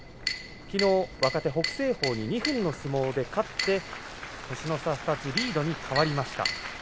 きのう若手の北青鵬に２分の相撲で勝って星の差２つリードに変わりました。